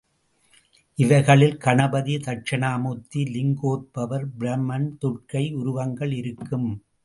இவைகளில் கணபதி, தக்ஷிணாமூர்த்தி, லிங்கோத்பவர், பிரமன், துர்க்கை உருவங்கள் இருக்கும்.